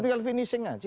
tinggal finishing aja